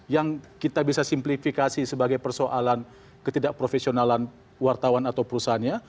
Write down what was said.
yang kita bisa simplifikasi sebagai persoalan ketidakprofesionalan wartawan atau perusahaannya